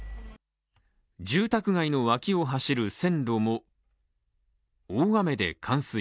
住宅街の脇を走る線路も大雨で冠水。